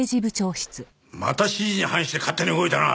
また指示に反して勝手に動いたな！？